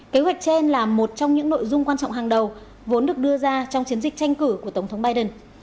kế hoạch trên là một trong những nội dung quan trọng hàng đầu vốn được đưa ra trong chiến dịch tranh cử của tổng thống biden